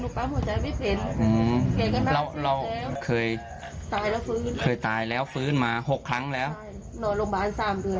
คือหนูช่วยชีวิตเค้าไม่ได้หนูปั๊มหัวใจไม่พิน